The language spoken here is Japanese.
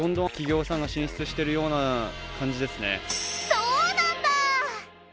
そうなんだ！